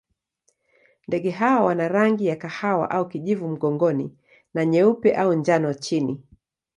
Ndege hawa wana rangi ya kahawa au kijivu mgongoni na nyeupe au njano chini.